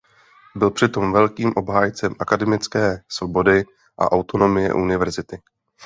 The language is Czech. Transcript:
Byl přitom velkým obhájcem akademické svobody a autonomie univerzity.